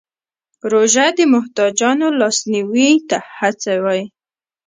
روژه د محتاجانو لاسنیوی ته هڅوي.